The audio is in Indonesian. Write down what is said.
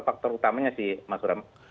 faktor utamanya sih mas bram